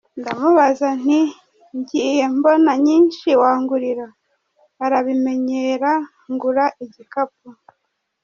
Ndamubaza nti ngiye mbona nyinshi wangurira ? Arabinyemerera ngura igikapu,… .